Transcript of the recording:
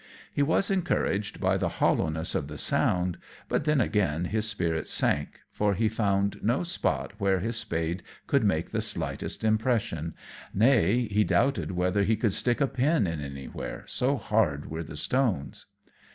He was encouraged by the hollowness of the sound; but then again his spirits sank, for he found no spot where his spade could make the slightest impression, nay, he doubted whether he could stick a pin in anywhere, so hard were the stones.